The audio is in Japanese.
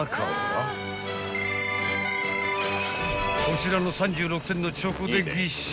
［こちらの３６点のチョコでぎっしり］